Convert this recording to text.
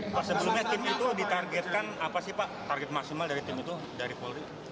pak sebelumnya tim itu ditargetkan apa sih pak target maksimal dari tim itu dari polri